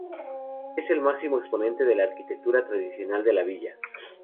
Es el máximo exponente de la arquitectura tradicional de la villa.